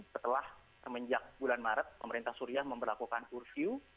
setelah semenjak bulan maret pemerintah suria memperlakukan curfew